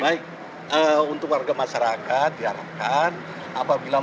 baik untuk warga masyarakat diharapkan apabila meninggalkan rumah ataupun